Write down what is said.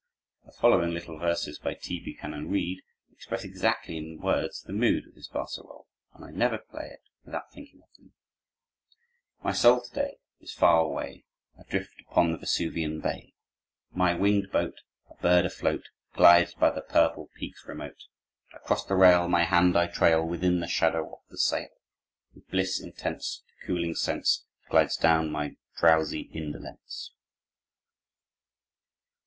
The following little verses, by T. Buchanan Read, express exactly in words the mood of this barcarolle, and I never play it without thinking of them: "My soul to day Is far away, Adrift upon the Vesuvian bay. My winged boat, A bird afloat, Glides by the purple peaks remote. Across the rail My hand I trail Within the shadow of the sail. With bliss intense The cooling sense Glides down my drowsy indolence."